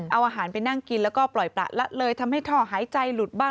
เอาอาหารไปนั่งกินแล้วก็ปล่อยประละเลยทำให้ท่อหายใจหลุดบ้าง